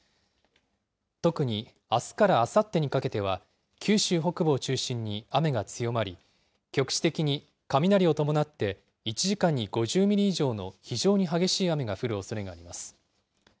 特にあすからあさってにかけては、九州北部を中心に雨が強まり、局地的に雷を伴って１時間に５０ミリ以上の非常に激しい雨が降るおそれがあります。